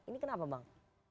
ini kenapa bang